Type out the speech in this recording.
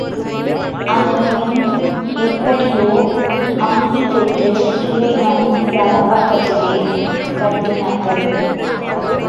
அதன்பின் எப்படியோ அம்பிகைக்கு இறைவன் வலப்பக்கத்திலே கட்டினார்கள்.